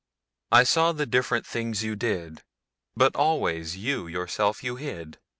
I saw the different things you did, But always you yourself you hid.